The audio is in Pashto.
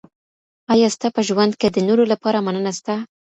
ایا ستا په ژوند کي د نورو لپاره مننه سته؟